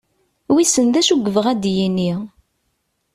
Wissen d acu i yebɣa ad d-yini?